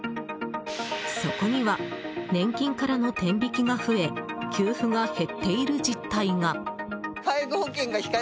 そこには年金からの天引きが増え給付が減っている実態が。